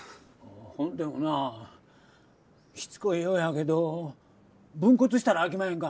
ほんでもなしつこいようやけど分骨したらあきまへんか？